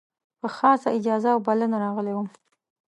په خاصه اجازه او بلنه راغلی وم.